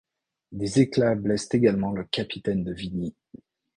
Des éclats blessent également le capitaine de Vigny.